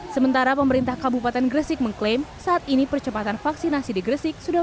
sementara pemerintah kabupaten gresik mengklaim saat ini percepatan vaksinasi di gresik sudah